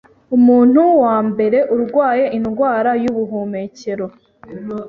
Umuntu wa mbere urwaye indwara y'ubuhumekero